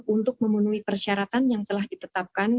untuk memenuhi persyaratan yang telah ditetapkan